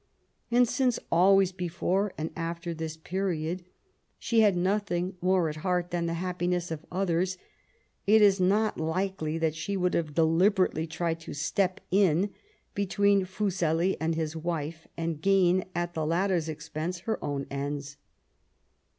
And since always before and after this period she had nothing more at heart than the happiness of others^ it is not likely that she would have deliberately tried to step in between Fuseli and his wife^ and gain, at the latter's expense, her own ends.